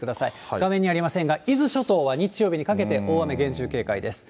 画面にはありませんが、伊豆諸島は日曜日にかけて、大雨、厳重警戒です。